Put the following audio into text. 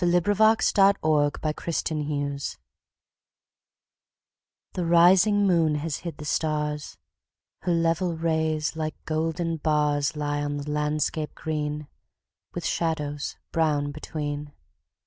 Henry Wadsworth Longfellow Endymion THE rising moon has hid the stars; Her level rays, like golden bars, Lie on the landscape green, With shadows brown between.